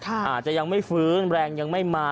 อาจจะยังไม่ฟื้นแรงยังไม่มา